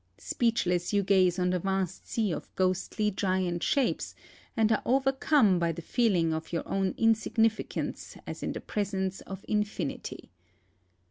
Speechless you gaze on the vast sea of ghostly, giant shapes, and are overcome by the feeling of your own insignificance as in the presence of infinity.